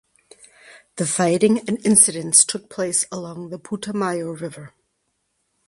The fighting and incidents took place along the Putumayo River.